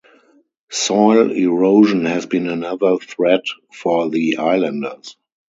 Soil erosion has been another threat for the islanders.